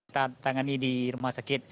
tangani di rumah sakit